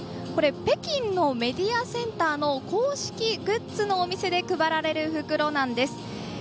これ、北京のメディアセンターの公式グッズのお店で配られる袋なんです。